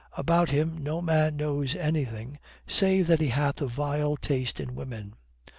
About him no man knows anything save that he hath a vile taste in women.